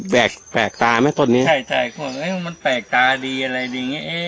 แบกแปลกตาไหมต้นนี้ใช่ใช่ควรเอ๊ะมันแปลกตาดีอะไรดีอย่างเงี้ยเอ๊ะ